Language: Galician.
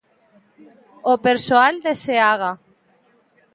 O persoal de Seaga.